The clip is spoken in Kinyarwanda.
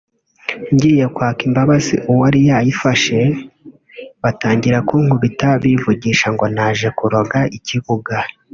ngiye kwaka imbabazi uwari yayifashe batangira kunkubita bivugisha ngo naje kuroga ikibuga